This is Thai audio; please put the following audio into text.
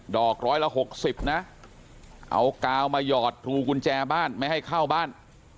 อกร้อยละ๖๐นะเอากาวมาหยอดรูกุญแจบ้านไม่ให้เข้าบ้าน